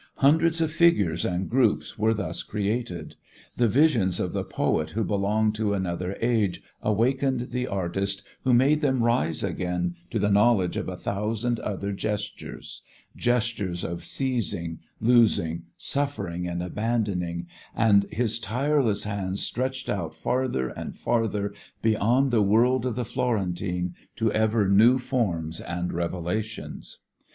Hundreds of figures and groups were thus created. The visions of the poet who belonged to another age awakened the artist who made them rise again to the knowledge of a thousand other gestures; gestures of seizing, losing, suffering and abandoning, and his tireless hands stretched out farther and farther beyond the world of the Florentine to ever new forms and revelations.